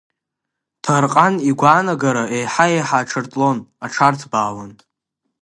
Ҭарҟан игәаанагара еиҳа-еиҳа аҽартлон, аҽарҭбаауан.